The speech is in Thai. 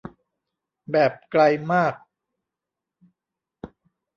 แบบไกลมาก